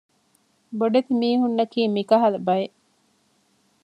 ބޮޑެތި މީހުންނަކީ މިކަހަލަ ބައެއް